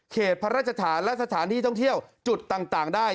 พระราชฐานและสถานที่ท่องเที่ยวจุดต่างได้